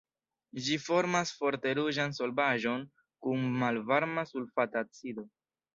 Ĝi formas forte ruĝan solvaĵon kun malvarma sulfata acido.